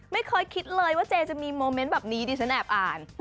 ไม่เคยคิดเลยว่าเจจะมีโมเมนต์แบบนี้ดิฉันแอบอ่าน